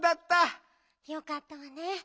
よかったわね。